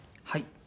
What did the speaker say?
はい。